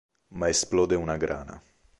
Ma esplode una grana.